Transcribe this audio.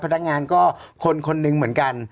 พนักงานก็คนคนหนึ่งเหมือนกัน